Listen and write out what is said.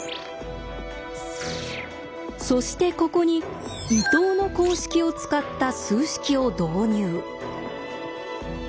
そしてここに伊藤の公式を使った数式を導入。